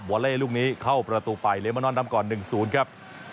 อเล่ลูกนี้เข้าประตูไปเลมานอนนำก่อน๑๐ครับ